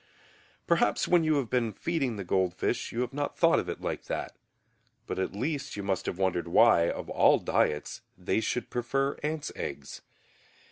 Perhaps when you have been feeding the goldfish you have not thought of it like that. But at least you must have wondered why, of all diets, they should prefer ants' eggs.